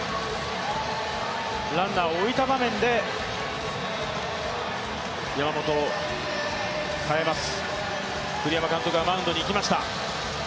ランナーを置いた場面で山本を代えます。